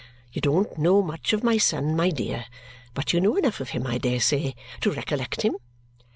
You don't know much of my son, my dear; but you know enough of him, I dare say, to recollect him?"